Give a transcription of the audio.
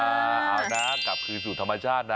เอานาทับคืนห์สู่ธรรมชาตินะ